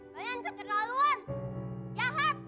kalian kekeraluan jahat